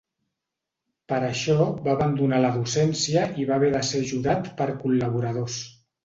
Per això va abandonar la docència i va haver de ser ajudat per col·laboradors.